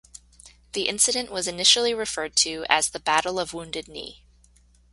The incident was initially referred to as the "Battle of Wounded Knee".